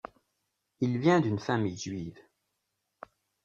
Il vient d'une famille juive.